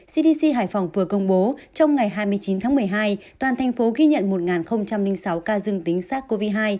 cdc hải phòng vừa công bố trong ngày hai mươi chín tháng một mươi hai toàn thành phố ghi nhận một sáu ca dương tính sars cov hai